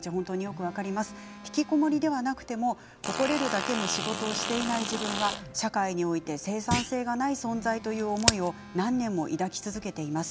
ひきこもりではなくても誇れるだけの仕事をしていない自分は社会において生産性がない存在という思いを何年も抱き続けています。